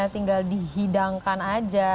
tinggal dihidangkan aja